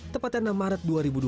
tepatnya enam maret dua ribu dua puluh